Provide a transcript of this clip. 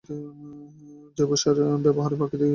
জৈব সার ব্যবহার করে প্রাকৃতিকভাবে উৎপাদিত খাদ্য হল জৈব খাদ্য।